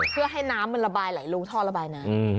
เพื่อให้น้ำมันระบายไหลลงท่อระบายน้ำ